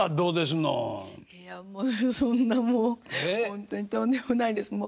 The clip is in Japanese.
いやそんなもうほんとにとんでもないです。